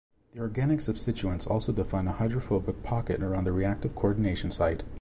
The organic substituents also define a hydrophobic pocket around the reactive coordination site.